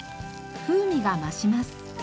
風味が増します。